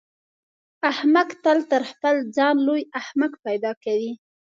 احمق تل تر خپل ځان لوی احمق پیدا کوي.